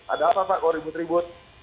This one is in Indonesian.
ada apa pak koribut ribut